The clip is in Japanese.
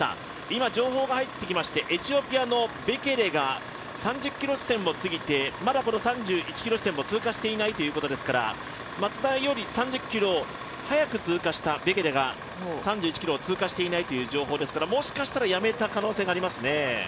今、情報が入ってきましてエチオピアのベケレが３０ｋｍ地点を過ぎてまだ３１ｋｍ地点を通過していないということですから松田より３０ｋｍを早く通過したベケレが３１ｋｍを通過していないという情報ですから、もしかしたらやめた可能性がありますね。